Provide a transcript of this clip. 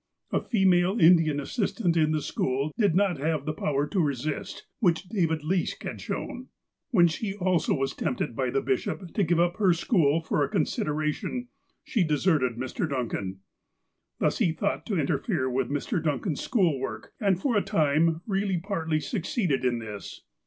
A female Indian assistant in the school did not have the power to resist, which David Leask had shown. When she also was tempted by the bishop to give up her school for a consideration, she deserted Mr. Duncan. Thus he thought to interfere with Mr. Duncan's school work, and for a time really partly succeeded in this.